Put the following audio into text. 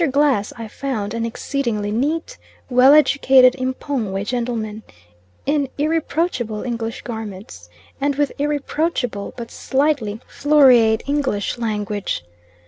Glass I found an exceedingly neat, well educated M'pongwe gentleman in irreproachable English garments, and with irreproachable, but slightly floreate, English language.